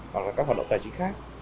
hoặc là các hoạt động tài chính khác